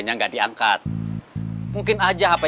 nggak gilir cuma saluran